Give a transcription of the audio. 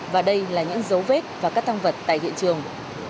và đây là những dấu vết và các thang vật tại hiện trường